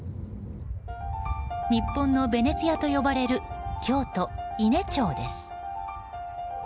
日本のベネチアと呼ばれる京都・伊根町です。